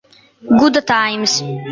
Good Times